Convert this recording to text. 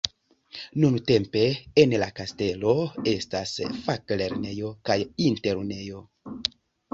Nuntempe en la kastelo estas faklernejo kaj internulejo.